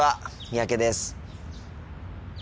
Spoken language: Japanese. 三宅です。